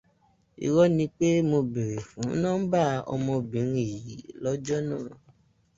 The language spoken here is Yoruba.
Irọ́ ni pé mo bèèrè fún nọ́mbà ọmọbìnrin yìí lọ́jọ́ náà.